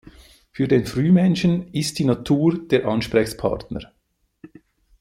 Für den Frühmenschen ist die Natur der Ansprechpartner.